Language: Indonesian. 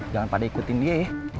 jangan pada ikutin dia ya